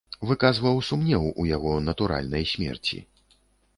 Выказваў сумнеў у яго натуральнай смерці.